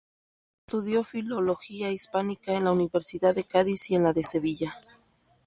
Estudió Filología Hispánica en la Universidad de Cádiz y en la de Sevilla.